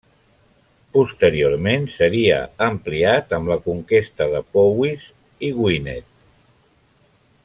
Posteriorment seria ampliat amb la conquesta de Powys i Gwynedd.